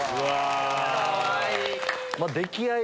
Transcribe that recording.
かわいい！